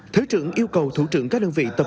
thứ trưởng yêu cầu thủ trưởng các đơn vị tập trung